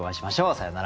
さようなら。